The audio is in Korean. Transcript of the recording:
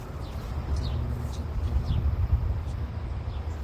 항상 경외하는 자는 복되거니와 마음을 강퍅하게 하는 자는 재앙에 빠지리라